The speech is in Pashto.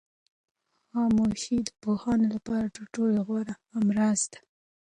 خاموشي د پوهانو لپاره تر ټولو غوره همراز ده.